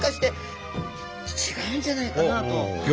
違うんじゃないかなと。